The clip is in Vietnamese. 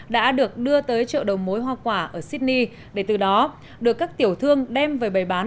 đã được đưa tới chợ đầu mối hoa quả ở sydney để từ đó được các tiểu thương đem về bày bán